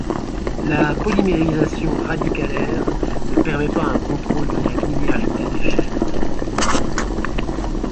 La polymérisation radicalaire ne permet pas un contrôle de la linéarité des chaînes.